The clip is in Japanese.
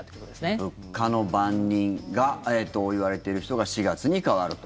物価の番人といわれてる人が４月に代わると。